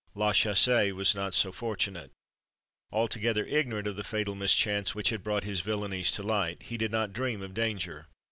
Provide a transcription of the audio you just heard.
La Chaussée was not so fortunate. Altogether ignorant of the fatal mischance which had brought his villanies to light, he did not dream of danger.